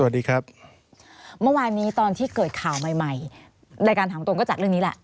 แต่ตอนที่เกิดข่าวใหม่ในการถามตรงก็จากเรื่องนี้แหละ